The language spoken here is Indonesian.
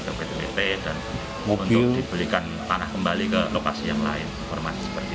dan untuk dibelikan tanah kembali ke lokasi yang lain